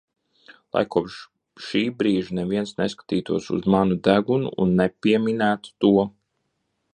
Lai kopš šī brīža neviens neskatītos uz manu degunu un nepieminētu to!